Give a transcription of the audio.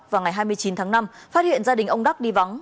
vào ngày hai mươi chín tháng năm phát hiện gia đình ông đắc đi vắng